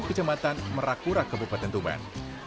kecamatan merakura kabupaten tuman